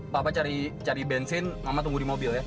papa cari bensin mama tunggu di mobil ya